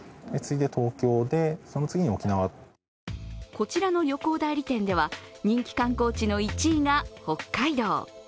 こちらの旅行代理店では人気観光地の１位が北海道。